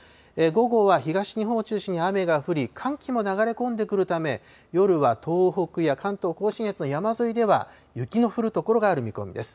午後は東日本を中心に雨が降り、寒気も流れ込んでくるため、夜は東北や関東甲信越の山沿いでは、雪の降る所がある見込みです。